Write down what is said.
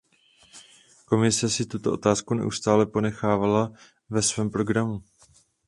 Komise si tuto otázku neustále ponechávala ve svém programu.